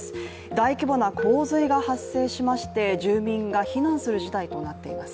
大規模な洪水が発生しまして、住民が避難する事態となっています。